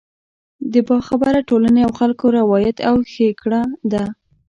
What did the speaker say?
د باخبره ټولنې او خلکو روایت او ښېګړه ده.